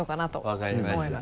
分かりました。